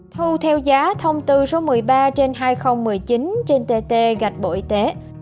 thu theo giá thông tư số một mươi ba trên hai nghìn một mươi chín trên tt gạch bộ y tế